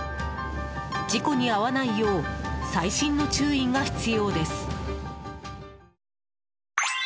事故に遭わないよう細心の注意が必要です。